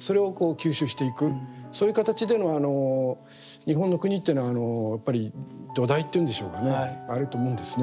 そういう形でのあの日本の国っていうのはやっぱり土台っていうんでしょうかねあると思うんですね。